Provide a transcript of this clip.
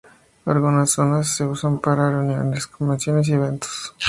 Algunas zonas se usan para reuniones, convenciones y eventos.